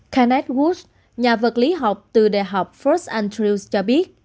kenneth wood nhà vật lý học từ đại học fort andrews cho biết